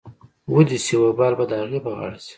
وې دې سي وبال به د اغې په غاړه شي.